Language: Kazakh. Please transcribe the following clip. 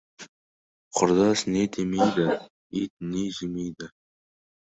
Құрдас не демейді, ит не жемейді.